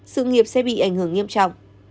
sự nghiệp sẽ bị ảnh hưởng nghiêm trọng